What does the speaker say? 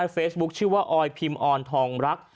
เฟซบุ๊คชื่อว่าออยพิมออนทองรัก